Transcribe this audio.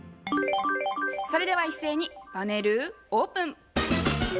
それでは一斉にパネルオープン。